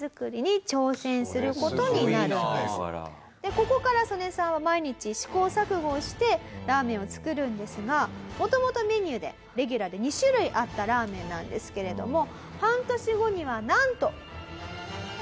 ここからソネさんは毎日試行錯誤をしてラーメンを作るんですが元々メニューでレギュラーで２種類あったラーメンなんですけれども半年後にはなんと。